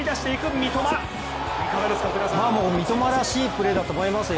三笘らしいプレーだと思いますよ。